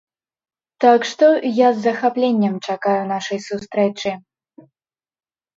Так што, я з захапленнем чакаю нашай сустрэчы.